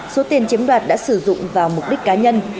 số tiền chiếm đoạt đã sử dụng vào mục đích cá nhân